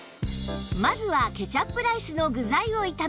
まずはケチャップライスの具材を炒めます